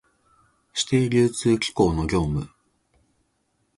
指定流通機構の業務